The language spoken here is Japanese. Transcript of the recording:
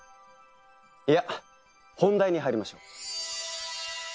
いや本題に入りましょう。